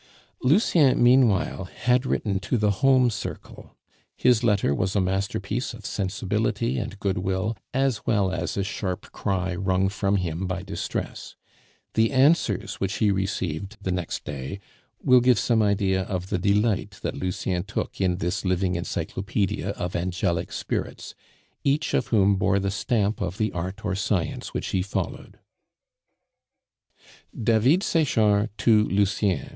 Lucien, meanwhile, had written to the home circle. His letter was a masterpiece of sensibility and goodwill, as well as a sharp cry wrung from him by distress. The answers which he received the next day will give some idea of the delight that Lucien took in this living encyclopedia of angelic spirits, each of whom bore the stamp of the art or science which he followed: _David Sechard to Lucien.